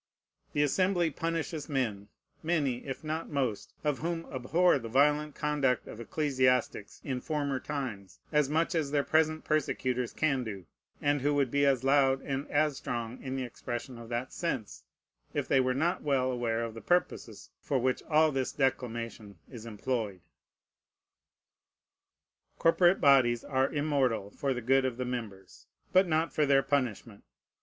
The Assembly punishes men, many, if not most, of whom abhor the violent conduct of ecclesiastics in former times as much as their present persecutors can do, and who would be as loud and as strong in the expression of that sense, if they were not well aware of the purposes for which all this declamation is employed. Corporate bodies are immortal for the good of the members, but not for their punishment.